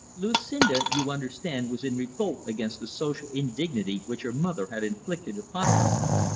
Lucinda, you understand, was in revolt against the social indignity which her mother had inflicted upon her.